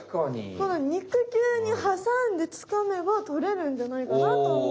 この肉球にはさんでつかめばとれるんじゃないかなとおもって。